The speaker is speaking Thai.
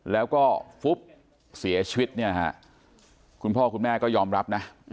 แล้วก็ฟุบเสียชีวิตเนี่ยฮะคุณพ่อคุณแม่ก็ยอมรับนะ